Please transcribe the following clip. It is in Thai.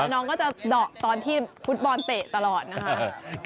น้องก็จะเดาะตอนที่ฟุตบอลเตะตลอดนะคะ